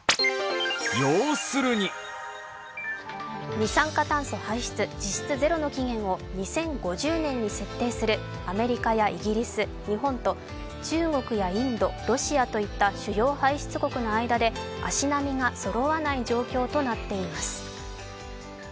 二酸化炭素排出実質ゼロの期限を２０５０年に設定するアメリカやイギリス、日本と中国やインド、ロシアといった主要排出国の間で足並みがそろわない状況となっています。